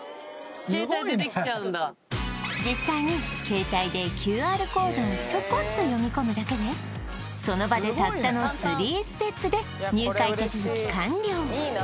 携帯でできちゃうんだ実際に携帯でＱＲコードをちょこっと読み込むだけでその場でたったの３ステップで入会手続き完了